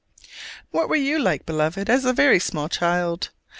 What were you like, Beloved, as a very small child?